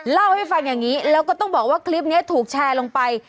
เล่าให้ฟังอย่างนี้แล้วก็ต้องบอกว่าคลิปนี้ถูกแชร์ลงไป